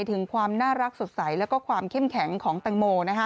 ถึงความน่ารักสดใสแล้วก็ความเข้มแข็งของแตงโม